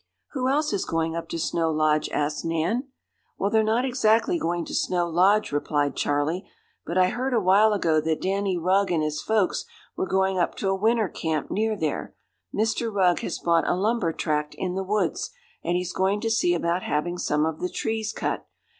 "Who else is going up to Snow Lodge?" asked Nan. "Well, they're not exactly going to Snow Lodge," replied Charley, "but I heard a while ago that Danny Rugg and his folks were going up to a winter camp near there. Mr. Rugg has bought a lumber tract in the woods, and he's going to see about having some of the trees cut.